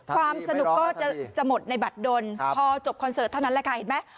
ความสนุกก็จะหมดในบัตรดนพอจบคอนเสิร์ตเท่านั้นแหละค่ะเห็นไหม